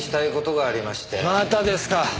またですか。